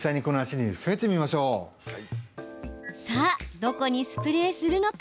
さあ、どこにスプレーするのか。